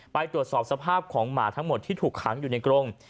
ไปตรวจสอบสภาพของหมาทั้งหมดที่ถูกขังอยู่ในกรง